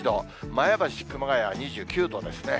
前橋、熊谷は２９度ですね。